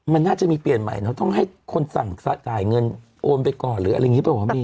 มันน่าจะมีเปลี่ยนใหม่เนอะต้องให้คนสั่งจ่ายเงินโอนไปก่อนหรืออะไรอย่างนี้เปล่าวะเม